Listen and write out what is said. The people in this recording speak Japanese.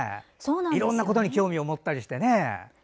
いろんなことに興味を持ったりしてね。